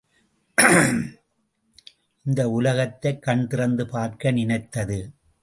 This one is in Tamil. இந்த உலகத்தைக் கண் திறந்து பார்க்க நினைத்தது.